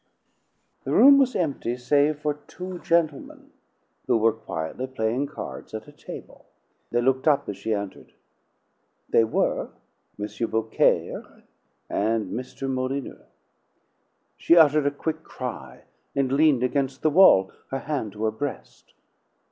The room was empty save for two gentlemen, who were quietly playing cards at a table. They looked up as she entered. They were M. Beaucaire and Mr. Molyneux. She uttered a quick cry and leaned against the wall, her hand to her breast.